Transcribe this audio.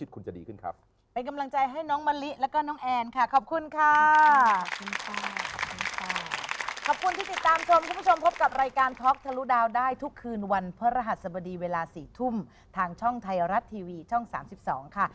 ขอบคุณที่ติดตามชมคุณผู้ชมพบกับรายการท็อกทะลุดาวได้ทุกคืนวันพระรหัสบดีเวลา๔ทุ่มทางช่องไทยรัฐทีวีช่อง๓๒ค่ะ